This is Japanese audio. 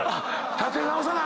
立て直さなあ